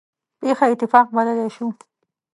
پېښه اتفاق بللی شو.